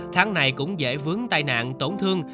tháng này cũng dễ vướng tai nạn tổn thương